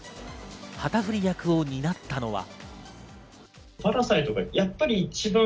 旗振り役を担ったのは。